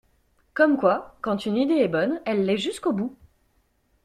Comme quoi, quand une idée est bonne, elle l’est jusqu’au bout.